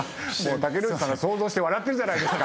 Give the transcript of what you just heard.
竹野内さんが想像して笑ってるじゃないですか。